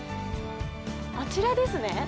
あちらですね。